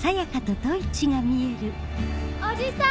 おじさん！